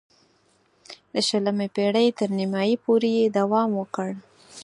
د شلمې پېړۍ تر نیمايی پورې یې دوام وکړ.